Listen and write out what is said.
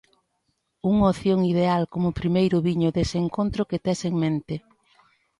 Unha opción ideal como primeiro viño dese encontro que tes en mente.